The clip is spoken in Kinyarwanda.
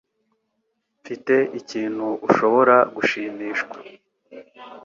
Mfite ikintu ushobora gushimishwa.